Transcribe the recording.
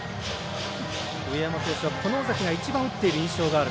上山投手は尾崎が一番打っている印象がある。